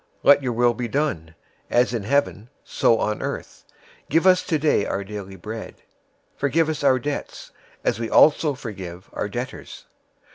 Let your will be done, as in heaven, so on earth. 006:011 Give us today our daily bread. 006:012 Forgive us our debts, as we also forgive our debtors.